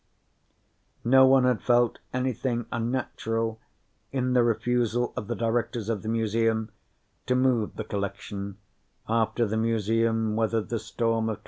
No one had felt anything unnatural in the refusal of the Directors of the Museum to move the collection after the Museum weathered the storm of 2057.